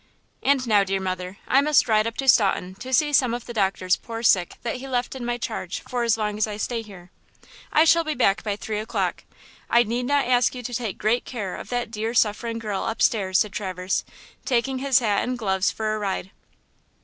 And now, dear mother, I must ride up to Staunton to see some of the doctor's poor sick that he left in my charge for as long as I stay here. I shall be back by three o'clock. I need not ask you to take great care of that dear suffering girl up stairs," said Traverse, taking his hat and gloves for a ride.